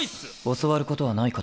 教わることはないかと。